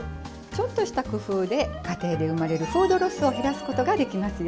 ちょっとした工夫で家庭で生まれるフードロスを減らすことができますよ。